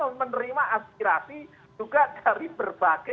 kami ini menerima aspirasi juga dari berbagai